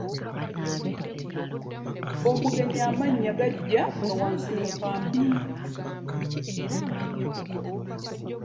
Omugenyi amanya liggya nga wa nsumuka mbi .